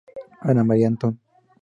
Ana María Anton.